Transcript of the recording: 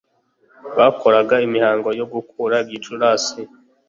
bakoraga imihango yo gukura gicurasi